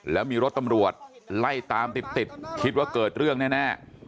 แล้วมีรถตำรวจไล่ตามติดคิดว่าเกิดเรื่องแน่